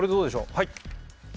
はい。